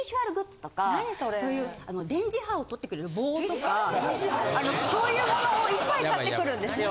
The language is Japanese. ・何それ・電磁波をとってくれる棒とかそういうものをいっぱい買ってくるんですよ。